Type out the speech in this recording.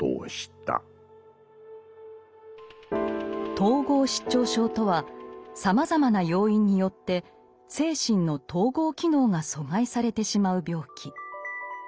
統合失調症とはさまざまな要因によって精神の統合機能が阻害されてしまう病気。